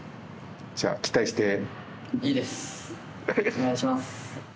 お願いします。